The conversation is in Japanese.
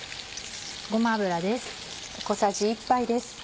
ごま油です。